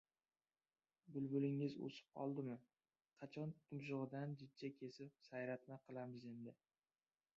Bulbulingiz o‘sib qoldimi? Qachon tum- shug‘idan jichcha kesib sayratma qilamiz endi!